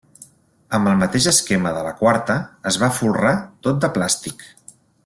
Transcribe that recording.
Amb el mateix esquema de la quarta, es va folrar tot de plàstic.